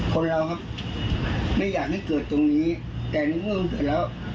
คนเราครับไม่อยากให้เกิดตรงนี้แต่ในเมื่อมันเกิดแล้ว